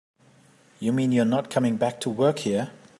You mean you're not coming back to work here?